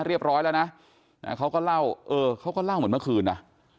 เรียบร้อยแล้วนะเขาก็เล่าเออเขาก็เล่าเหมือนเมื่อคืนนะ